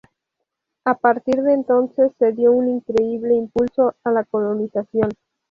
A partir de entonces se dio un increíble impulso a la colonización.